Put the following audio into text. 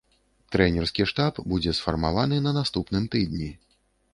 Трэнерскі штаб будзе сфармаваны на наступным тыдні.